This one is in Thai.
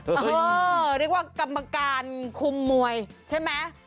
เออเรียกว่ากรรมการคุมมวยใช่ไหม